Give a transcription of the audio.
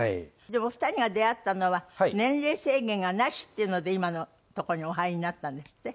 でもお二人が出会ったのは年齢制限がなしっていうので今のところにお入りになったんですって？